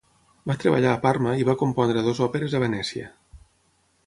Va treballar a Parma i va compondre dues òperes a Venècia.